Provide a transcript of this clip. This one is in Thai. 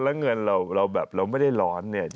แล้วเงินเราแบบเราไม่ได้ร้อนเนี่ย